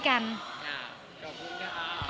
ขอบคุณนะคะ